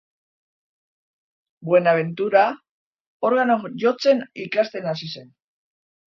Buenaventura organoa jotzen ikasten hasi zen.